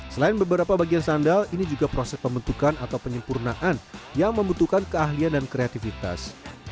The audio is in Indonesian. selain beberapa bagian sandal ini juga proses pembentukan atau penyempurnaan yang membutuhkan keahlian dan kreativitas